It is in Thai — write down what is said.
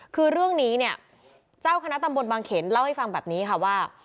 คือเรื่องนี้เนี่ยเจ้าคณะตำบลบางเขนเล่าให้ฟังแบบนี้ค่ะว่า